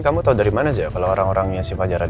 gak tentu aja gua nyari fajar